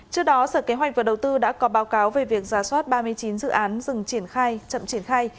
trước đó sở kế hoạch và đầu tư đã có báo cáo về việc giả soát ba mươi chín dự án rừng triển khai chậm triển khai